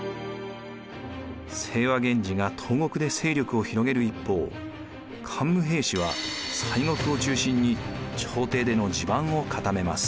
清和源氏が東国で勢力を広げる一方桓武平氏は西国を中心に朝廷での地盤を固めます。